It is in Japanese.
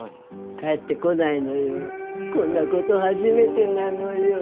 帰ってこないのよこんなこと初めてなのよ